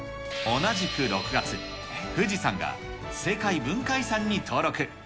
同じく６月、富士山が世界文化遺産に登録。